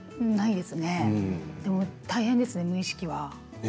でも大変ですね、無意識は。